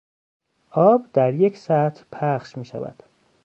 آب در یک سطح پخش میشود.